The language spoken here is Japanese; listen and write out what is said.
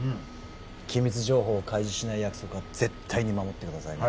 機密情報を開示しない約束は絶対に守ってくださいね